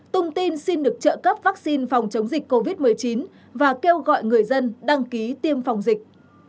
tung tin xin được trợ cấp vaccine phòng chống dịch covid một mươi chín và kêu gọi người dân đăng ký tiêm phòng dịch